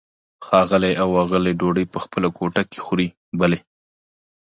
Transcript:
ښاغلی او آغلې ډوډۍ په خپله کوټه کې خوري؟ بلې.